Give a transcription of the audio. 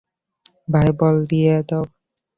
ভাই, বল দিয়ে দাও।